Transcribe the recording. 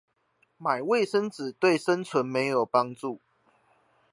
買衛生紙對生存沒有幫助